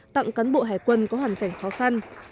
tặng cán bộ hải quân có hoàn cảnh khó khăn